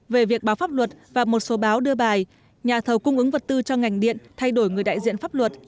về việc báo pháp luật và một số báo đưa bài nhà thầu cung ứng vật tư cho ngành điện thay đổi người đại diện pháp luật